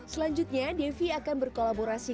selanjutnya devi akan berkolaborasi